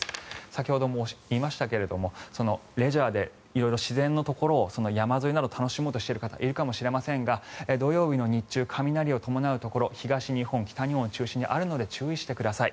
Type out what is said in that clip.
先ほども言いましたがレジャーで色々自然のところ山沿いのところなどを楽しもうとしている方もいるかもしれませんが土曜日の日中、雷を伴うところ東日本、北日本中心にあるので注意してください。